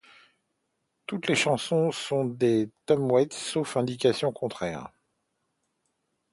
Toutes les chansons sont de Tom Waits, sauf indication contraire.